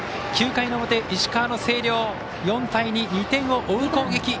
９回の表、石川の星稜４対２、２点を追う攻撃。